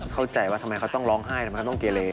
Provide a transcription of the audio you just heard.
เข้าใจว่าทำไมเขาต้องร้องไห้ทำไมเขาต้องเกเล